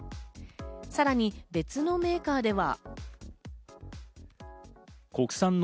さらに別のメーカーでは。